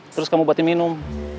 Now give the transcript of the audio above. terus kamu buatin minum